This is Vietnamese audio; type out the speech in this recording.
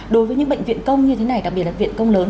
đối với những bệnh viện công như thế này đặc biệt là viện công lớn